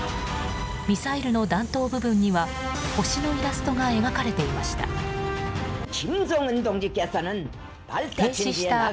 ミサイルの弾頭部分には星のイラストが描かれていました。